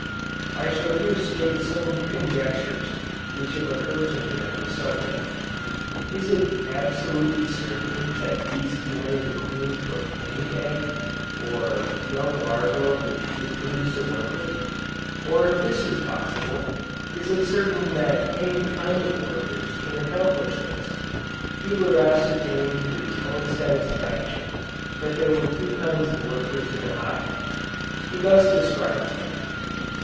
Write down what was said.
I shall here state some conjectures which have occurred to me on this subject. Is it absolutely certain that bees can raise a queen from any egg or young larva which would produce a worker? Or if this is possible, is it certain that any kind of workers can accomplish this? Huber ascertained to his own satisfaction that there were two kinds of workers in a hive. He thus describes them.